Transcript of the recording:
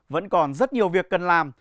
vẫn còn rất nhiều việc cần làm